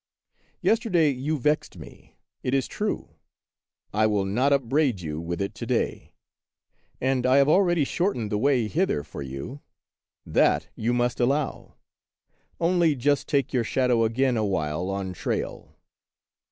Yesterday you vexed me, it is true : I will not upbraid you with it to day ; and I have already shortened the way hither for you, — that you must allow. Only just take your shadow again awhile on trial."